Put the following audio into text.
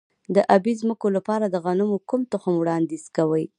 د ابي ځمکو لپاره د غنمو کوم تخم وړاندیز کوئ؟